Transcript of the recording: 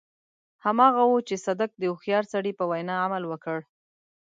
هماغه و چې صدک د هوښيار سړي په وينا عمل وکړ.